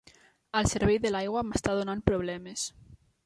El servei de l'aigua m'està donant problemes.